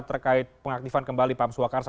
terkait pengaktifan kembali pams wakarsa